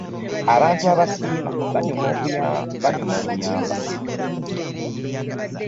abantu abasiima banyuma okuyamba.